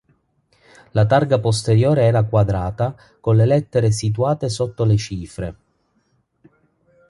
La targa posteriore era quadrata, con le lettere situate sotto le cifre.